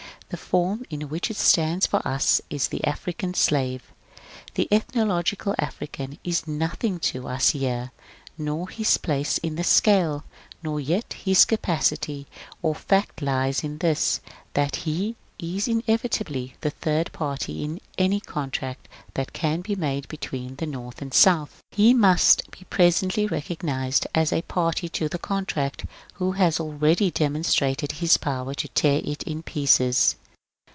The form in which it stands for us is T%e African Slave. The ethnologic African is nothing to us here, nor his place in the scale, nor yet his capacity ; our fact lies in this, that he is inevitably the Third Party in any contract that can be made between the North and the South. He must be pre THE REJECTED STONE 841 Bendy recognized as a party to the contract, who has already demonstrated his power to tear it in pieces.